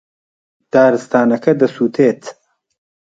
دارستانەکە دەسووتێت.